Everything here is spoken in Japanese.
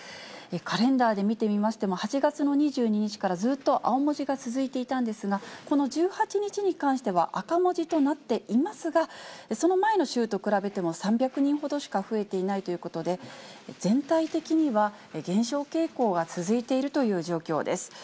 カレンダーで見てみましても、８月の２２日からずっと青文字が続いていたんですが、この１８日に関しては赤文字となっていますが、その前の週と比べても３００人ほどしか増えていないということで、全体的には減少傾向が続いているという状況です。